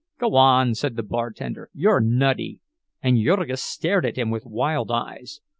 "Go on," said the bartender, "you're nutty!" And Jurgis stared at him with wild eyes.